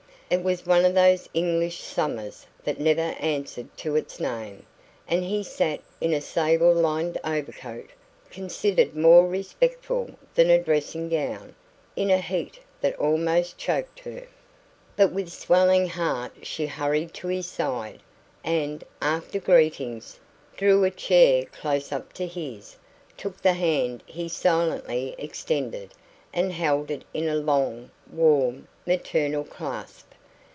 It was one of those English summers that never answered to its name, and he sat in a sable lined overcoat considered more respectful than a dressing gown in a heat that almost choked her. But with swelling heart she hurried to his side, and, after greetings, drew a chair close up to his, took the hand he silently extended, and held it in a long, warm, maternal clasp.